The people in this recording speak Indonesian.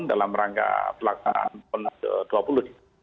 dalam rangka pelaksanaan ponos dua puluh